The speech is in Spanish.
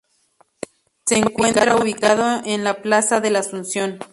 Se encuentra ubicado en la Plaza de la Asunción.